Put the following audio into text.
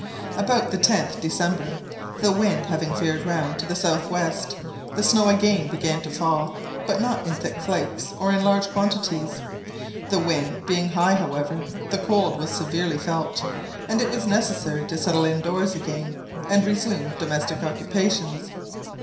About the 10th December, the wind having veered round to the south west, the snow again began to fall, but not in thick flakes, or in large quantities. The wind being high, however, the cold was severely felt, and it was necessary to settle in doors again, and resume domestic occupations.